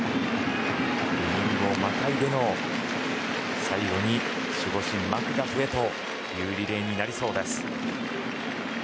イニングをまたいで最後に守護神マクガフへのリレーになりそうです。